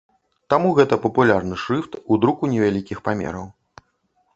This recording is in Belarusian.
Таму гэта папулярны шрыфт у друку невялікіх памераў.